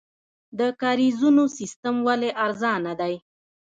د کاریزونو سیستم ولې ارزانه دی؟